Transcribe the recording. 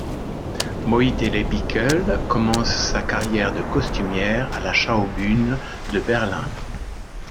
Moidele Bickel commence sa carrière de costumière à la Schaubühne de Berlin.